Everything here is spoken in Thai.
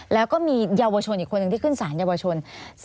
แล้วก็มีเยาวชนอีกคนหนึ่งที่ขึ้นสารเยาวชน